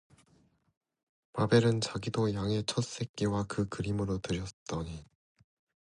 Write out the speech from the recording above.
아벨은 자기도 양의 첫 새끼와 그 기름으로 드렸더니